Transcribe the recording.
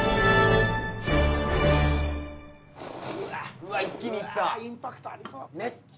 うわっ一気に行った。